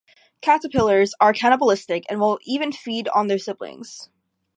Caterpillars are cannibalistic and will even feed on their siblings.